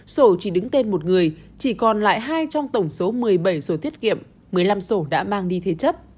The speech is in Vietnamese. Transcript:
sổ chỉ đứng tên một người chỉ còn lại hai trong tổng số một mươi bảy sổ tiết kiệm một mươi năm sổ đã mang đi thế chấp